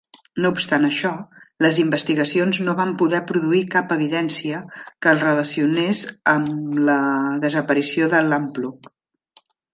No obstant això, les investigacions no van poder produir cap evidència que el relacionés amb a la desaparició de Lamplugh.